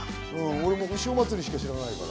俺、潮まつりしか知らないから。